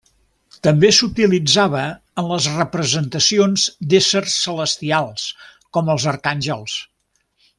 També s'utilitzava en les representacions d'éssers celestials com els arcàngels.